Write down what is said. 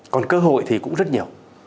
còn cơ hội thì cũng rất nhiều